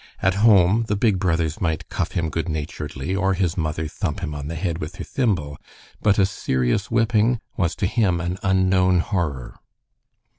At home the big brothers might cuff him good naturedly, or his mother thump him on the head with her thimble, but a serious whipping was to him an unknown horror.